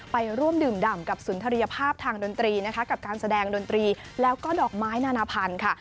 ไปร่วมดื่มดำกับสุนทรียภาพทางดนตรีนะคะกับการแสดงดนตรีแล้วก็ดอกไม้นานาพันธุ์ค่ะ